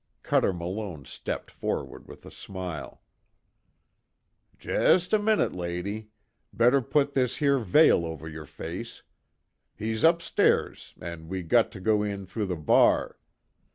Cuter Malone stepped forward with a smile: "Jest a minute, lady. Better put this here veil over yer face. He's up stairs, an' we got to go in through the bar.